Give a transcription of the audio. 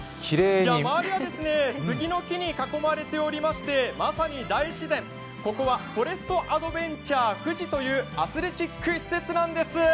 周りは杉の木に囲まれておりましてまさに大自然、ここはフォレストアドベンチャー・フジというアスレチック施設なんです。